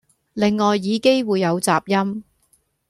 另外耳機會有雜音